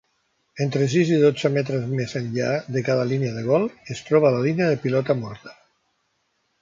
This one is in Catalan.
Entre sis i dotze metres mes enllà de cada línia de gol, es troba la línia de pilota morta.